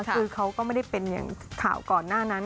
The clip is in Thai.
คือเขาก็ไม่ได้เป็นอย่างข่าวก่อนหน้านั้น